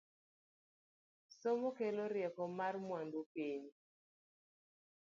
Somo kelo rieko mar mwandu piny